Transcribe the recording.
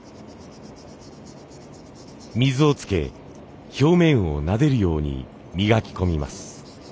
水をつけ表面をなでるように磨き込みます。